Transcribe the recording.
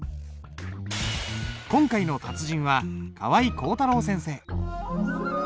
今回の達人は川合広太郎先生。